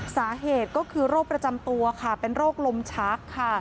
สาเหตุก็คือโรคประจำตัวค่ะเป็นโรคลมชักค่ะ